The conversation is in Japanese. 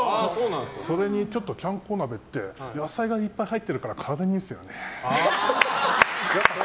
それにちゃんこ鍋って野菜がいっぱい入ってるから体にいいんですよね。